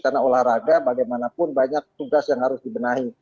karena olahraga bagaimanapun banyak tugas yang harus dibenahi